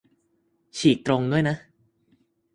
ฉีกตรงด้วยนะ